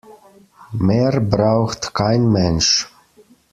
Mehr braucht kein Mensch.